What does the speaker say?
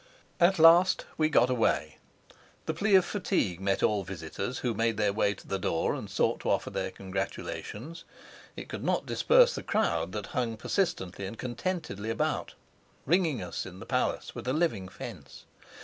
At last we got away. The plea of fatigue met all visitors who made their way to the door and sought to offer their congratulations; it could not disperse the crowd that hung persistently and contentedly about, ringing us in the palace with a living fence.